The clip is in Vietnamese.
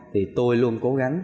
thì tôi luôn cố gắng